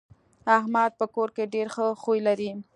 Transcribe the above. احمد په کور کې ډېر ښه خوی لري.